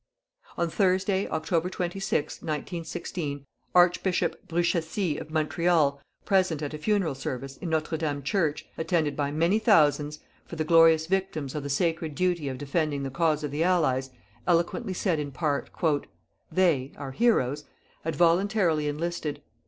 On Thursday, October 26, 1916, Archbishop Bruchesi, of Montreal, present at a funeral service, in Notre Dame Church, attended by many thousands, for the glorious victims of the sacred duty of defending the cause of the Allies, eloquently said in part: "_They (our heroes) had voluntarily enlisted.